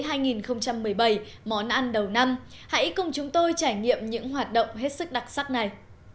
chào năm mới hai nghìn một mươi bảy món ăn đầu năm hãy cùng chúng tôi trải nghiệm những hoạt động hết sức đặc sắc này